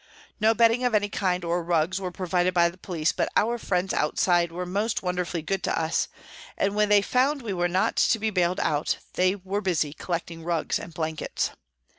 No bedding of any kind or rugs were provided by the police, but our friends outside were most wonderfully good to us, and, when they found we were not to be bailed out, they were busy collecting rugs and blankets.